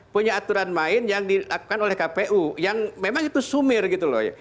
punya aturan main yang dilakukan oleh kpu yang memang itu sumir gitu loh ya